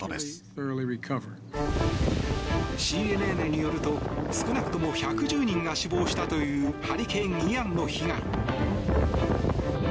ＣＮＮによると少なくとも１１０人が死亡したというハリケーン、イアンの被害。